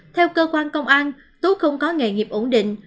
theo cơ quan công an tú không có nghề nghiệp ổn định